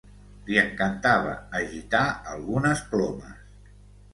Li encantava agitar algunes plomes.